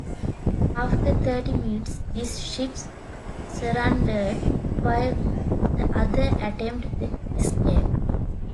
After thirty minutes this ship surrendered, while the other attempted to escape.